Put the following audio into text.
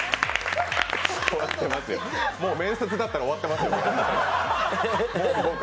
もう面接だったら終わってますよ。